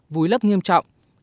vùi lớp nghiêm trọng